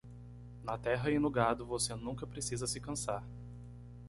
Na terra e no gado, você nunca precisa se cansar.